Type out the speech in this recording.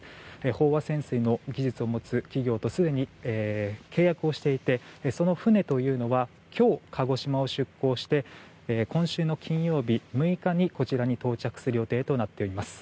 飽和潜水の技術を持つ企業とすでに契約をしていてその船というのは今日、鹿児島を出航して今週の金曜日６日にこちらに到着する予定となっています。